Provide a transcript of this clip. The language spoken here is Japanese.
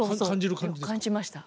感じました。